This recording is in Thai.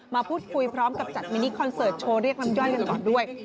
มาพูดคุยพร้อมกับจัดมินิคอนเสิร์ตโชว์เรียกน้ำย่อยกันก่อนด้วย